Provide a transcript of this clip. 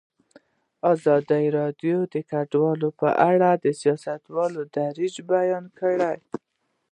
ازادي راډیو د کډوال په اړه د سیاستوالو دریځ بیان کړی.